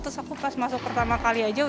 terus aku pas masuk pertama kali aja